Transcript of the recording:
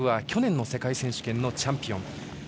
去年の世界選手権のチャンピオン。